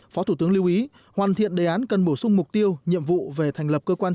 phó thủ tướng lưu ý hoàn thiện đề án cần bổ sung mục tiêu nhiệm vụ về thành lập cơ quan